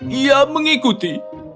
untuk ia mengikuti